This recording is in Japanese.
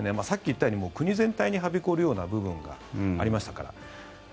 さっき言ったように国全体にはびこるような部分がありましたから。